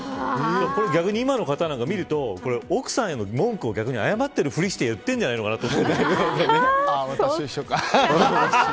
逆に今の方を見ると奥さんへの文句を逆に謝ってるふりをして言ってるんじゃないかって。